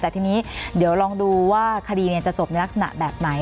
แต่ทีนี้เดี๋ยวลองดูว่าคดีจะจบในลักษณะแบบไหน